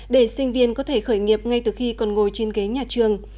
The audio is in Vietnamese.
để sinh viên có thể khởi nghiệp ngay từ khi còn ngồi trên ghế nhà trường